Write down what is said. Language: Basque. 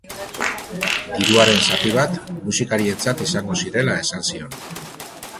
Diruaren zati bat musikarientzat izango zirela esan zion.